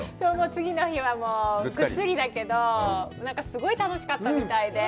次の日は、もうぐっすりだけど、すごい楽しかったみたいで。